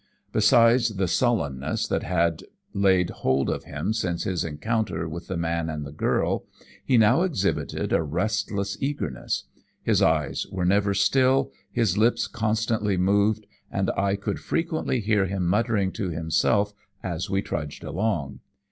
Besides the sullenness that had laid hold of him since his encounter with the man and girl, he now exhibited a restless eagerness his eyes were never still, his lips constantly moved, and I could frequently hear him muttering to himself as we trudged along.